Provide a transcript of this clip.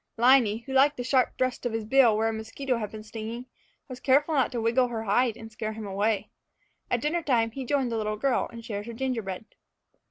Liney, who liked the sharp thrust of his bill where a mosquito had been stinging, was careful not to wiggle her hide and scare him away. At dinner time he joined the little girl and shared her gingerbread.